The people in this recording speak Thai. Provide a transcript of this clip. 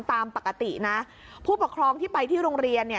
ตามปกตินะผู้ปกครองที่ไปที่โรงเรียนเนี่ย